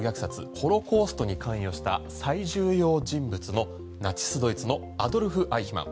ホロコーストに関与した最重要人物のナチス・ドイツのアドルフ・アイヒマン。